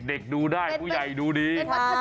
ดูได้ผู้ใหญ่ดูดี